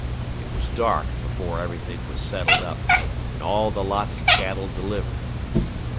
It was dark before everything was settled up, and all the lots of cattle delivered.